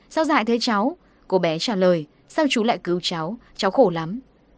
sao dại thế cháu cô bé trả lời sao chú lại cứu cháu cháu khổ lắm